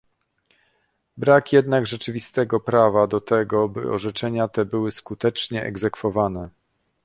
Brak jednak rzeczywistego prawa do tego, by orzeczenia te były skutecznie egzekwowane